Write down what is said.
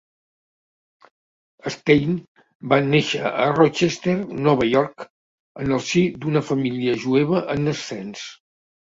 Stein va néixer a Rochester, Nova York, en el si d'una família jueva en ascens.